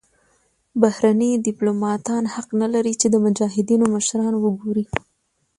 بهرني دیپلوماتان حق نلري چې د مجاهدینو مشران وګوري.